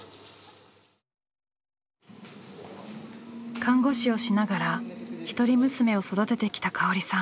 看護師をしながら一人娘を育ててきた香織さん。